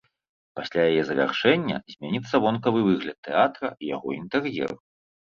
Пасля яе завяршэння зменіцца вонкавы выгляд тэатра і яго інтэр'ер.